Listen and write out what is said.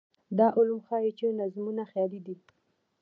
دا علوم ښيي چې نظمونه خیالي دي.